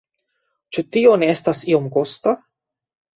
Ĉu tio ne estas iom kosta?